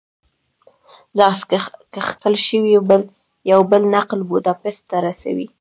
لاس کښل شوی یو بل نقل بوداپست ته رسوي.